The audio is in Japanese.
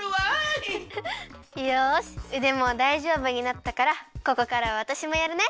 よしうでもだいじょうぶになったからここからはわたしもやるね。